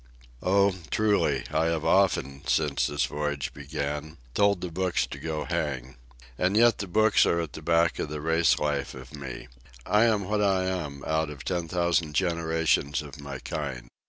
Oh, truly, I have often, since this voyage began, told the books to go hang. And yet the books are at the back of the race life of me. I am what I am out of ten thousand generations of my kind.